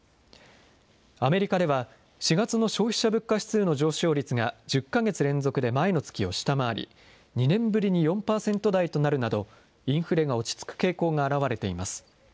アメリカでは、４月の消費者物価指数の上昇率が１０か月連続で前の月を下回り、２年ぶりに４％台となるなど、インフレが落ち着く傾向が表れています。